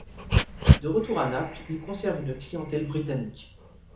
De retour à Naples, il conserve une clientèle britannique.